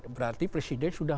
berarti presiden sudah